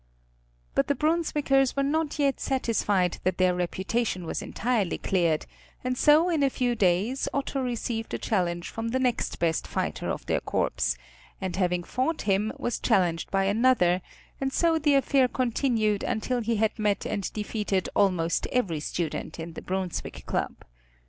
But the Brunswickers were not yet satisfied that their reputation was entirely cleared, and so in a few days Otto received a challenge from the next best fighter of their corps, and having fought him was challenged by another, and so the affair continued until he had met and defeated almost every student in the Brunswick corps.